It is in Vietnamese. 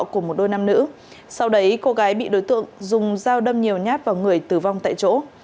của một đôi nam nữ sau đấy cô gái bị đối tượng dùng dao đâm nhiều nhát vào người tử vong tại chỗ